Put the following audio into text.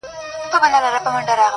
نظم د وړتیا ساتونکی دی’